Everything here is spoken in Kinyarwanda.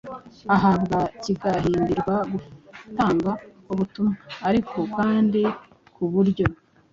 ahabwa, kigahimbirwa gutanga ubutumwa ariko kandi ku buryo